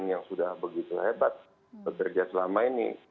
yang sudah begitu hebat bekerja selama ini